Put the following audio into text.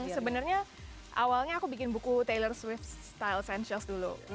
sebenarnya awalnya aku bikin buku taylor swift style scentials dulu